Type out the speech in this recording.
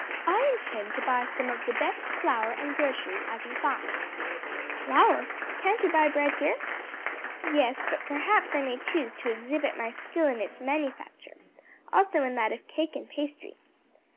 "I intend to buy some of the best flour and groceries that I can find." "Flour? can't you buy bread here?" "Yes, but perhaps I may choose to exhibit my skill in its manufacture; also in that of cake and pastry."